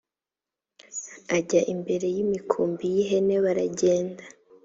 ajya imbere y’imikumbi y’ihene baragenda